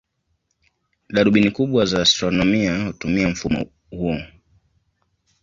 Darubini kubwa za astronomia hutumia mfumo huo.